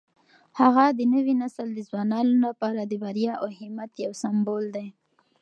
هغه د نوي نسل د ځوانانو لپاره د بریا او همت یو سمبول دی.